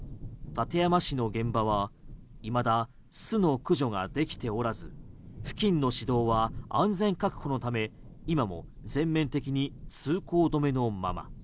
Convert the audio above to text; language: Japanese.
館山市の現場はいまだ巣の駆除ができておらず付近の市道は安全確保のため今も全面的に通行止めのまま。